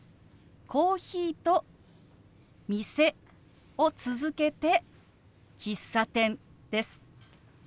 「コーヒー」と「店」を続けて「喫茶店」です。